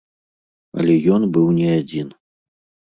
Але ён быў не адзін.